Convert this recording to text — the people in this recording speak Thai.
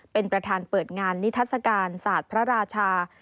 เป็นประธานเปิดงานนิทัศกาลศาสตร์พระราชา